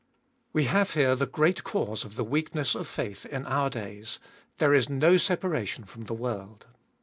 We have here the great cause of the weakness of faith in our days. There is no separation from the world.